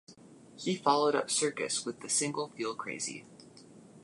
He followed up "Circus," with the single, "Feel Crazy.